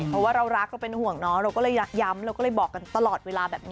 เพราะว่าเรารักเราเป็นห่วงเนาะเราก็เลยย้ำเราก็เลยบอกกันตลอดเวลาแบบนี้